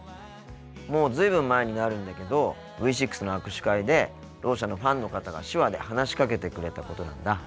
もう随分前になるんだけどＶ６の握手会でろう者のファンの方が手話で話しかけてくれたことなんだ。